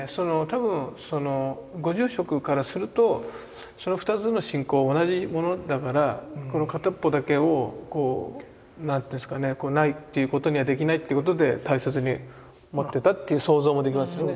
多分ご住職からするとその２つの信仰が同じものだからこの片っぽだけを何て言うんですかねないってことにはできないっていうことで大切に持ってたっていう想像もできますよね。